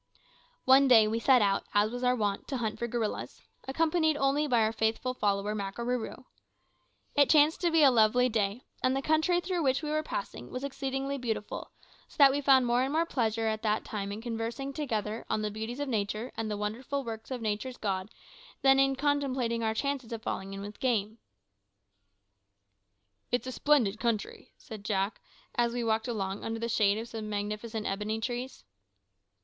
One day we set out, as was our wont, to hunt for gorillas, accompanied only by our faithful follower Makarooroo. It chanced to be a lovely day, and the country through which we were passing was exceedingly beautiful, so that we found more pleasure at that time in conversing together on the beauties of nature and on the wonderful works of nature's God than in contemplating our chances of falling in with game. "It's a splendid country," said Jack, as we walked along under the shade of some magnificent ebony trees.